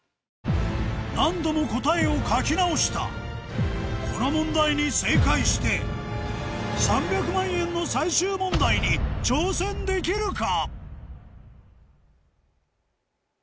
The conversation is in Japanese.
何度も答えを書き直したこの問題に正解して３００万円の最終問題に挑戦できるか？